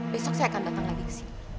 besok saya akan datang lagi ke sini